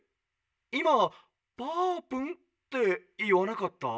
いま『ぱーぷん』っていわなかった？」。